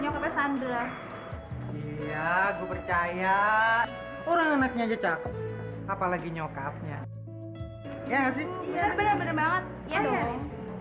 nyokapnya sandra iya gua percaya orang anaknya jejak apalagi nyokapnya ya sih bener bener banget